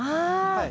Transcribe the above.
はい。